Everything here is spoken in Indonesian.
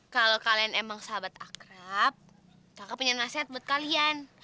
kalau kalian emang sahabat akrab kakak punya nasihat buat kalian